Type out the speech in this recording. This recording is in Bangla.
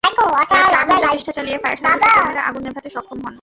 প্রায় চার ঘণ্টা চেষ্টা চালিয়ে ফায়ার সার্ভিসের কর্মীরা আগুন নেভাতে সক্ষম হন।